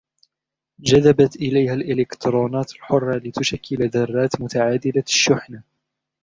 جذبت إليها الإلكترونات الحرة لتشكل ذرات متعادلة الشحنة